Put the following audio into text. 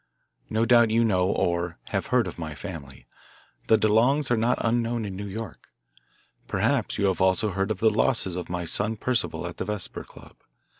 No doubt you know or have heard of my family the DeLongs are not unknown in New York. Perhaps you have also heard of the losses of my son Percival at the Vesper Club.